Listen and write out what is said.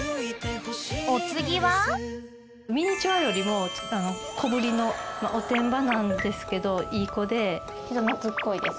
ミニチュアよりも小ぶりのおてんばなんですけどいい子で人懐っこいです。